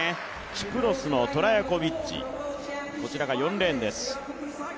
キプロスのトラヤコビッチが４レーンです。